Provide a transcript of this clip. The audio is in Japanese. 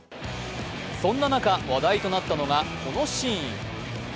そんな中、話題となったのがこのシーン。